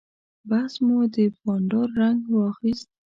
بحث مو د بانډار رنګ واخیست.